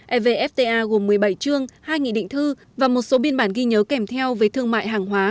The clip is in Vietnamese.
evfta gồm một mươi bảy chương hai nghị định thư và một số biên bản ghi nhớ kèm theo với thương mại hàng hóa